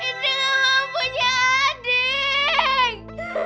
indri gak mau punya adik